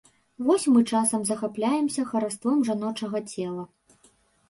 Вось мы часам захапляемся хараством жаночага цела.